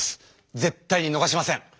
絶対にのがしません！